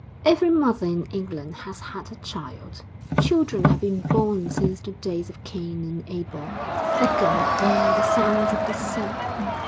'Every mother in England has had a child; children have been born since the days of Cain and Abel thicker than the sands of the sea.